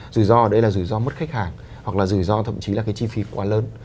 rủi ro đấy là rủi ro mất khách hàng hoặc là rủi ro thậm chí là cái chi phí quá lớn